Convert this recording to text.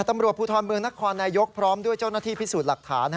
ตำรวจภูทรเมืองนครนายกพร้อมด้วยเจ้าหน้าที่พิสูจน์หลักฐาน